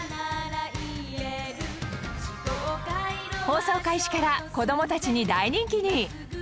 放送開始から子どもたちに大人気に！